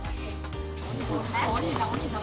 お兄さん、お兄さん。